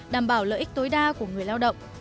đảm bảo lợi ích tối đa của người lao động